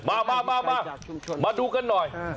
มามาดูกันหน่อย